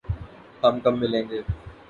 ہم کب ملیں گے؟